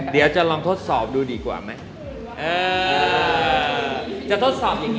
เดี๋ยวจะลองทดสอบดูดีกว่าไหม